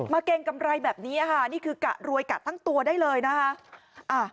เกรงกำไรแบบนี้ค่ะนี่คือกะรวยกะทั้งตัวได้เลยนะคะ